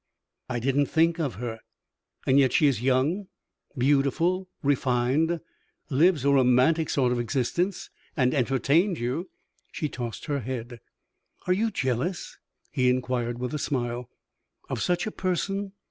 "I didn't think of her." "And yet she is young, beautiful, refined, lives a romantic sort of existence, and entertained you " She tossed her head. "Are you jealous?" he inquired, with a smile. "Of such a person?